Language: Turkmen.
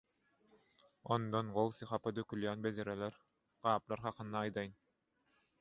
Ondan gowsy hapa dökülýn bedreler, gaplar hakda aýdaýyn.